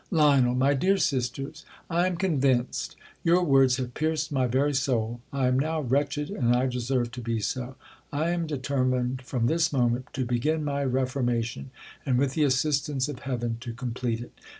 .Lion. My dear sisters,! am convinced. Your words have pierced my very soul. I am now wretched, and I deserve to be so. I am determined from this moment to begin my reformation, and, with the assistance of Heaven, to complete it.